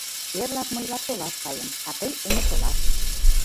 Эрлак мый Лапсолаш каем, а тый — Эҥерсолаш.